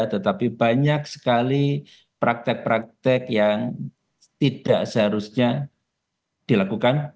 tetapi banyak sekali praktek praktek yang tidak seharusnya dilakukan